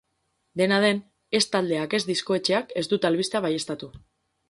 Dena den, ez taldeak, ez diskoetxeak, ez dute albistea baieztatu.